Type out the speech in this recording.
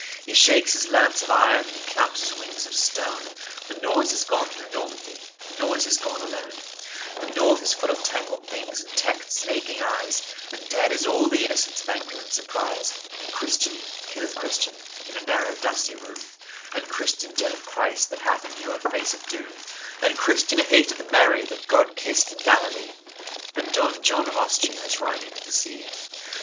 He shakes his lance of iron and he claps his wings of stone; The noise is gone through Normandy; the noise is gone alone; The North is full of tangled things and texts and aching eyes, And dead is all the innocence of anger and surprise, And Christian killeth Christian in a narrow dusty room, And Christian dreadeth Christ that hath a newer face of doom, And Christian hateth Mary that God kissed in Galilee,—But Don John of Austria is riding to the sea.